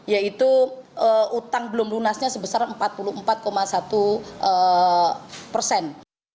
yaitu utang belum lunasnya sebesar empat puluh empat satu persen